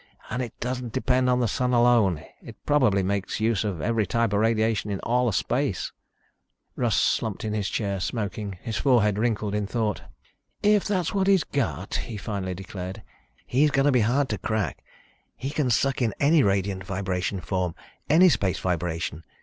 And it doesn't depend on the Sun alone. It probably makes use of every type of radiation in all of space." Russ slumped in his chair, smoking, his forehead wrinkled in thought. "If that's what he's got," he finally declared, "he's going to be hard to crack. He can suck in any radiant vibration form, any space vibration.